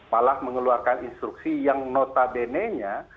malah mengeluarkan instruksi yang nota bene nya